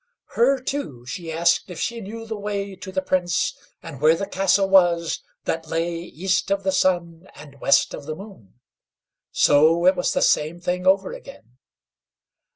Her, too, she asked if she knew the way to the Prince, and where the castle was that lay East of the Sun and West of the Moon. So it was the same thing over again.